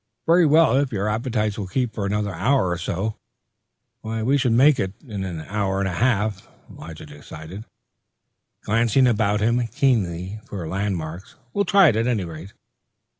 "Very well, if your appetites will keep for another hour or so. We should make it in an hour and a half," Lige decided, glancing about him keenly for landmarks. "We'll try, at any rate."